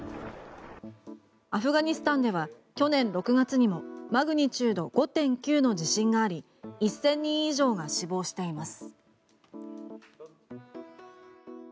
アフガニスタンでは去年６月にもマグニチュード５．９の地震があり１０００人以上が死亡しています。